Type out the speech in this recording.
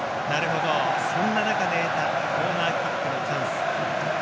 そんな中で得たコーナーキックのチャンス。